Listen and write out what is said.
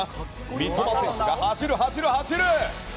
三笘選手が、走る、走る、走る！